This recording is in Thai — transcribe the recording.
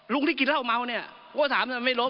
ที่กินเหล้าเมาเนี่ยก็ถามทำไมไม่ล้ม